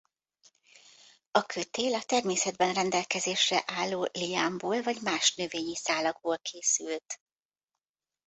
A kötél a természetben rendelkezésre álló liánból vagy más növényi szálakból készült.